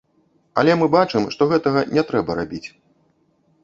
Але мы бачым, што гэтага не трэба рабіць.